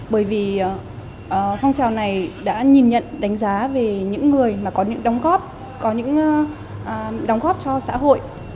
bởi vì phong trào này đã nhìn nhận đánh giá về những người có những đóng góp cho xã hội